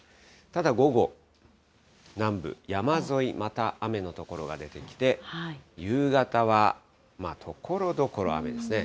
ただ午後、南部、山沿い、また雨の所が出てきて、夕方はところどころ雨ですね。